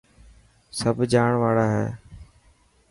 سڀ جاڻ واڙا هي.